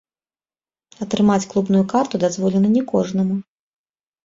Атрымаць клубную карту дазволена не кожнаму.